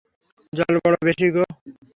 জল বড় বেশি গো!